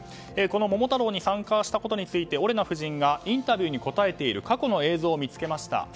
この「桃太郎」に参加したことについてオレナ夫人がインタビューに答えている過去の映像を見つけました。